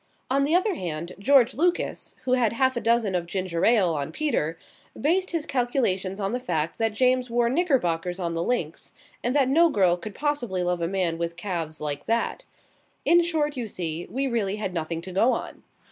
On the other hand, George Lucas, who had half a dozen of ginger ale on Peter, based his calculations on the fact that James wore knickerbockers on the links, and that no girl could possibly love a man with calves like that. In short, you see, we really had nothing to go on.